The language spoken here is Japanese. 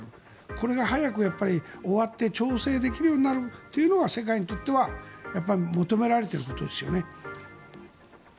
これが早く終わって調整できるようになるというのが世界にとっては求められていることですよね。